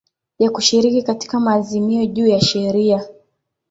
ya kushiriki katika maazimio juu ya sheria